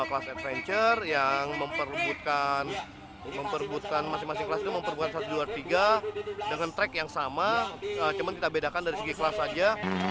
kelas adventure yang memperbutkan masing masing kelas itu memperbutkan satu dua tiga dengan track yang sama cuman kita bedakan dari segi kelas saja